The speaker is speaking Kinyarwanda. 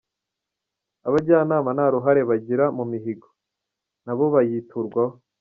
Abajyanama nta ruhare bagira mu mihigo, nabo bayiturwaho